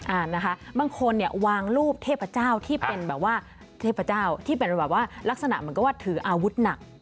นะคะบางคนเนี่ยวางรูปเทพเจ้าที่เป็นแบบว่าเทพเจ้าที่เป็นแบบว่าลักษณะเหมือนกับว่าถืออาวุธหนัก